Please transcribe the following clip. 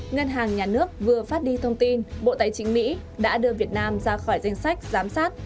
ngân hàng nhà nước vừa phát đi thông tin bộ tài chính mỹ đã đưa việt nam ra khỏi danh sách giám sát